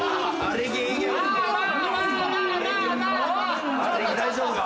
力大丈夫か？